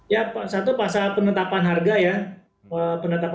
ya satu pasal penetapan harga ya